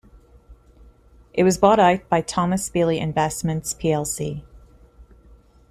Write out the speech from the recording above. It was bought out by Thomas Bailey Investments plc.